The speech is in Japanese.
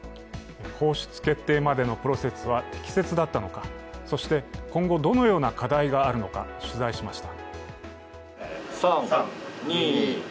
放出決定までのプロセスは適切だったのか、そして今後どのような課題があるのか、取材しました。